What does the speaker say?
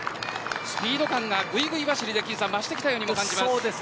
スピード感がぐいぐい走りで増してきたように感じます。